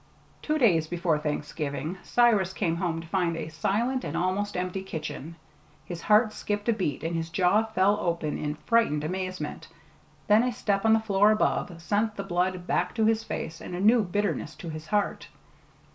Two days before Thanksgiving Cyrus came home to find a silent and almost empty kitchen. His heart skipped a beat and his jaw fell open in frightened amazement; then a step on the floor above sent the blood back to his face and a new bitterness to his heart.